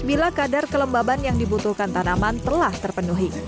bila kadar kelembaban yang dibutuhkan tanaman telah terpenuhi